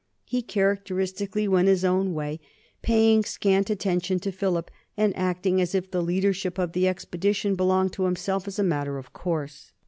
He characteristically went his own way, paying scant attention to Philip and acting as if the leadership of the expedition belonged to himself as a matter of course.